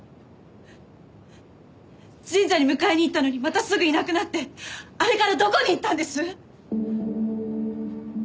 神社に迎えに行ったのにまたすぐいなくなってあれからどこに行ったんです？